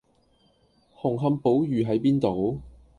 紅磡寶御喺邊度？